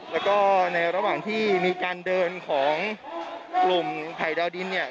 แล้วก็ในระหว่างที่มีการเดินของกลุ่มภัยดาวดินเนี่ย